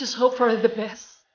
mari berharap untuk yang terbaik